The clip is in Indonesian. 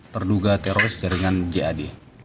terduga teroris jaringan jad